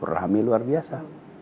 rami luar biasa